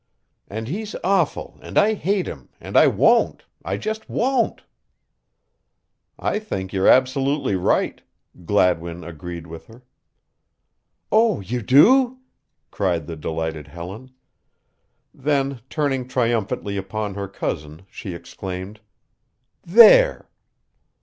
"And he's awful, and I hate him, and I won't I just won't." "I think you're absolutely right," Gladwin agreed with her. "Oh, you do?" cried the delighted Helen. Then, turning triumphantly upon her cousin she exclaimed: "There!"